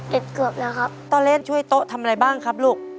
เกือบแล้วครับต้อเล่นช่วยโต๊ะทำอะไรบ้างครับลูก